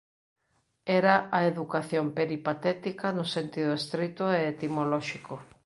Era a educación peripatética no sentido estrito e etimolóxico.